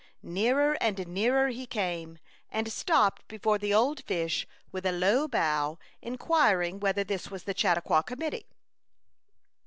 Nearer and nearer he came, and stopped before the old fish with a low bow, inquiring whether this was the Chautauqua Committee.